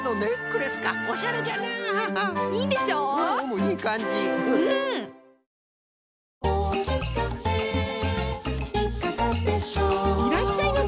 いらっしゃいませ！